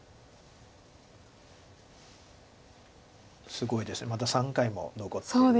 すごいですねまだ３回も残っています。